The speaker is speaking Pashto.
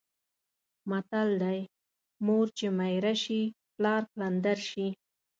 متل دی: مور چې میره شي پلار پلندر شي.